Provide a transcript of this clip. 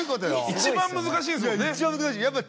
一番難しいですもんね。